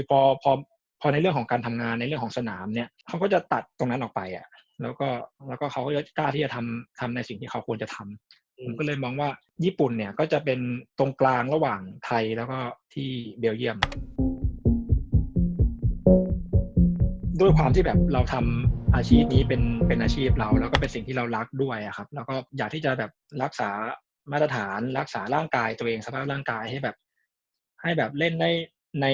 พอพอในเรื่องของการทำงานในเรื่องของสนามเนี่ยเขาก็จะตัดตรงนั้นออกไปอ่ะแล้วก็เขาก็กล้าที่จะทำทำในสิ่งที่เขาควรจะทำผมก็เลยมองว่าญี่ปุ่นเนี่ยก็จะเป็นตรงกลางระหว่างไทยแล้วก็ที่เบลเยี่ยมด้วยความที่แบบเราทำอาชีพนี้เป็นเป็นอาชีพเราแล้วก็เป็นสิ่งที่เรารักด้วยอะครับเราก็อยากที่จะแบบรักษามาตรฐานรักษาร่างกายตัวเองสภาพร่างกายให้แบบให้แบบเล่นได้ใน